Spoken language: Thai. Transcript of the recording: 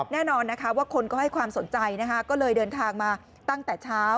แน่นอนนะคะว่าคนก็ให้ความสนใจนะคะก็เลยเดินทางมาตั้งแต่เช้า